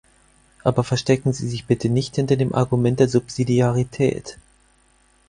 Aber verstecken Sie sich bitte nicht hinter dem Argument der Subsidiarität.